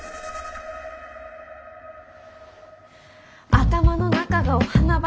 頭の中がお花畑